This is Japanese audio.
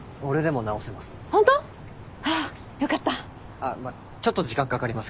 あっまあちょっと時間かかりますけど。